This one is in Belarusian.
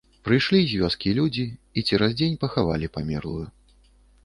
Прыйшлі з вёскі людзі і цераз дзень пахавалі памерлую.